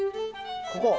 ここ？